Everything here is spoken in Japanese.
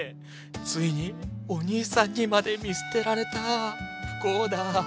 ついにおにいさんにまで見捨てられた不幸だ。